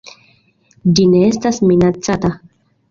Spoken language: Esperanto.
Ĝi ne estas minacata.